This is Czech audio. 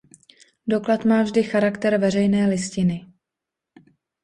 Doklad má vždy charakter veřejné listiny.